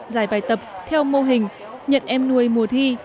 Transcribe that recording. giải bài tập theo mô hình nhận em nuôi mùa thi